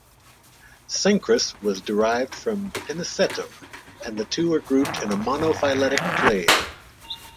"Cenchrus" was derived from "Pennisetum" and the two are grouped in a monophyletic clade.